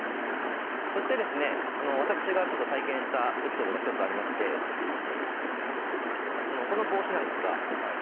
そして私が体験したエピソードが１つあってこの帽子なんですが。